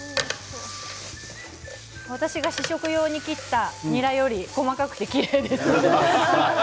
私が試食用に切ったニラより、細かくてきれいです。